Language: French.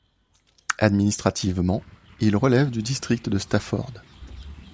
Administrativement, il relève du district de Stafford.